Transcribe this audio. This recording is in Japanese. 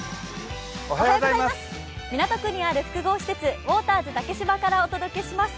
港区にある複合施設、ウォーターズ竹芝からお届けします。